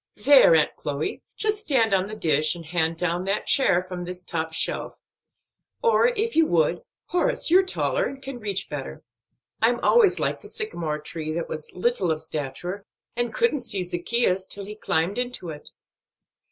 "There, Aunt Chloe, just stand on the dish, and hand down that chair from this top shelf. Or, if you would, Horace, you're taller, and can reach better. I'm always like the sycamore tree that was little of stature, and couldn't see Zaccheus till he climbed into it."